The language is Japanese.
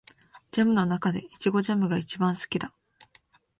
ジャムの中でイチゴジャムが一番好きだ